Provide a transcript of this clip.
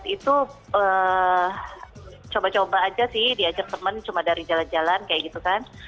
dua ribu lima belas itu coba coba aja sih diajar teman cuma dari jalan jalan kayak gitu kan